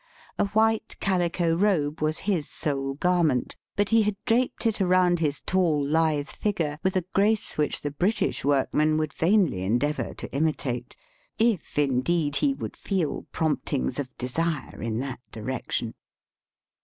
A white calico robe was his sole garment, but he had draped it around his tall Hthe figure with a grace which the British workman would vainly endeavour to imitate — if, indeed, he would feel promptings of desire in that direction.